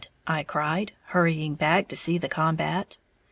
I cried, hurrying back to see the combat.